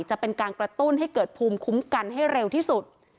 จะเป็นการกระตุ้นให้เกิดภูมิคุ้มกันให้เร็วที่สุด